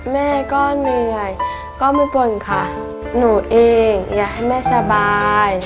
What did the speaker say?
แม่ก็เหนื่อยก็ไม่ป่นค่ะหนูเองอยากให้แม่สบาย